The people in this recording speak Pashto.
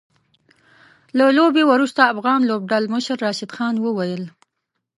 له لوبې وروسته افغان لوبډلمشر راشد خان وويل